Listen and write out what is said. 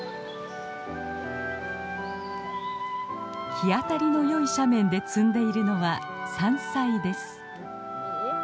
日当たりのよい斜面で摘んでいるのは山菜です。